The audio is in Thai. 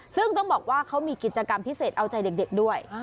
ซึ่งต้องบอกว่าเขามีกิจกรรมพิเศษเอาใจเด็กด้วย